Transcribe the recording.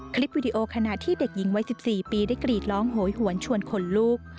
คลิปวิดีโอขณะที่เด็กหญิงวัย๑๔ปีได้กรีดร้องโหยหวนชวนขนลูก